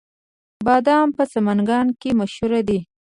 بادام په سمنګان کې مشهور دي